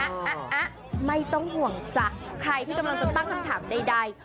อ่ะไม่ต้องห่วงจ้ะใครที่กำลังจะตั้งคำถามใด